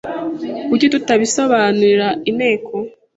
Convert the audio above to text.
Kuki tutabisobanurira inteko?